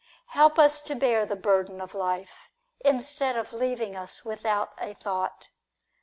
Help us to bear the burden of life, instead of leaving us without a thought.